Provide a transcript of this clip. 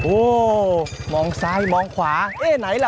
โอ้มองซ้ายมองขวาเอ๊ะไหนล่ะ